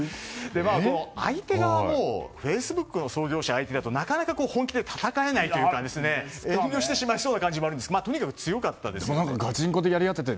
また相手側も、フェイスブックの創業者が相手だとなかなか本気で戦えないというか遠慮してしまいそうな感じもするんですがガチンコでやり合っていて。